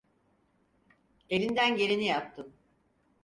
Elinden geleni yaptın.